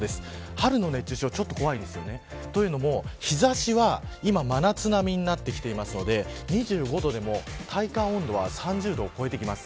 春の熱中症ちょっと怖いんですよね。というのも日差しは今、真夏並みになってきていますので２５度でも体感温度は３０度を超えてきます。